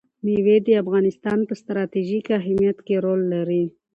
مېوې د افغانستان په ستراتیژیک اهمیت کې رول لري.